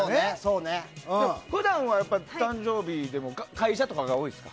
普段は誕生日でも会社とかが多いですか？